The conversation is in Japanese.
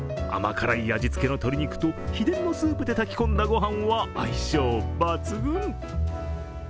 甘辛い味付けの鶏肉と秘伝のスープで炊き込んだご飯は相性抜群。